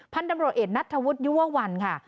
พันธุ์ดำรวจเอกณัฐวุฒิยัววัลค่ะ